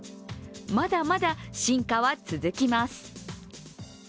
まだまだ進化は続きます。